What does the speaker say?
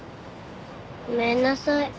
ごめんなさい。